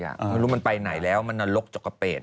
ไม่รู้มันไปไหนแล้วมันนรกจกกระเปด